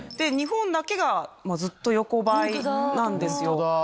日本だけがずっと横ばいなんですよ。